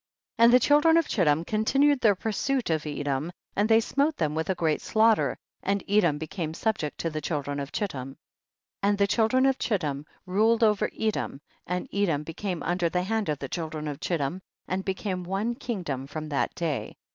7. And the children of Chittim continued their pursuit of Edom, and they smote them with a great slaugh ter and Edom became subject to the children of Chittim. 8. And the children of Chittim ruled over Edom, and Edom became under the hand of the children of Chittim and became one kingdom from that day.